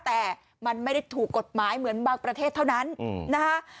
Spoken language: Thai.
แต่มันไม่ได้ถูกกฎหมายเหมือนบางประเทศเท่านั้นนะคะ